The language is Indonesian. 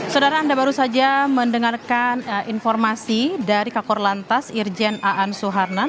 saudara anda baru saja mendengarkan informasi dari kakor lantas irjen aan suharman